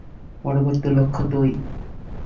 পরবর্তী লক্ষ্য তুই!